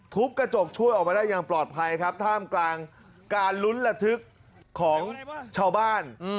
กระจกช่วยออกมาได้อย่างปลอดภัยครับท่ามกลางการลุ้นระทึกของชาวบ้าน